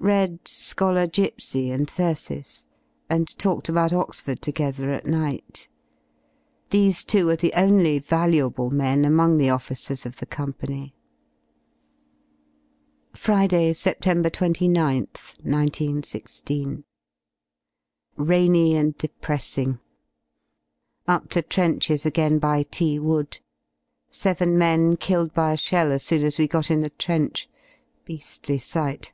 Read "Scholar Gipsy" and "Thyrsis" and talked about Oxford together at night. These two are the only valuable men among the officers of the Company. ^ Friday y Sept. 29th, 19 16. Rainy and depressing. Up to trenches again by T Wood. Seven men killed by a shell as soon as we got in the trench; bea^ly sight!